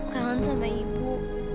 kangen sama ibu